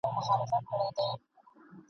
د هغه له ستوني دا ږغ پورته نه سي ..